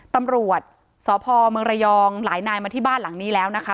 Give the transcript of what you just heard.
ตำรวจสพเมืองระยองหลายนายมาที่บ้านหลังนี้แล้วนะคะ